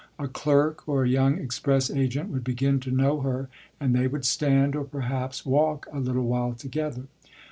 A clerk, or a young express agent would begin to know her, and they would stand, or perhaps, walk a little while together.